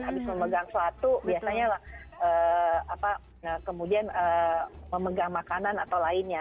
habis memegang suatu biasanya kemudian memegang makanan atau lainnya